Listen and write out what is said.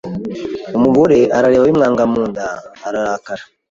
Umugore ararebabimwanga mu nda ararakara